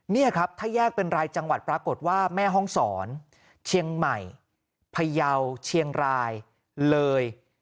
นี่ครับถ้าแยกเป็นรายจังหวัดปรากฏว่าแม่ห้องศรเชียงใหม่พยาวเชียงรายเลย